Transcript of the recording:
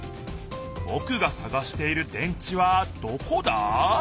ぼくがさがしている電池はどこだ？